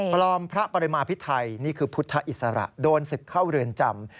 พระปริมาพิไทยนี่คือพุทธอิสระโดนศึกเข้าเรือนจำ